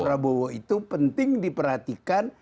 prabowo itu penting diperhatikan